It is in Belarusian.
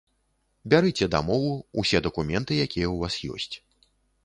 Бярыце дамову, усе дакументы, якія ў вас ёсць.